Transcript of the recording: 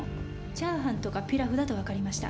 チャーハンとかピラフだとわかりました。